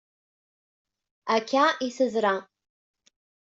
Akka i teḍra.